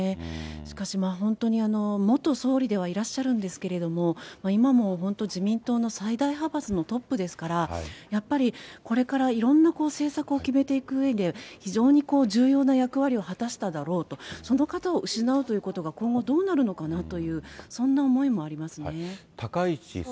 しかし本当に元総理ではいらっしゃるんですけれども、今も本当、自民党の最大派閥のトップですから、やっぱりこれからいろんな政策を決めていくうえで、非常に重要な役割を果たしただろうと、その方を失うということが、今後どうなるのかなという、そんな思いもありますよね。